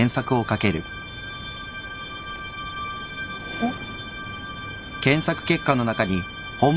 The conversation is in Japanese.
えっ。